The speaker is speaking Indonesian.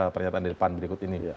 pernyataan dari pan berikut ini